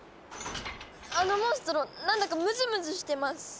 あのモンストロ何だかムズムズしてます。